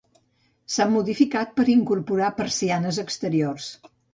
S'ha modificat per incorporar persianes exteriors.